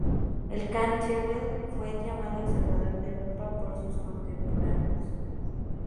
El kan Tervel fue llamado el "Salvador de Europa" por sus contemporáneos.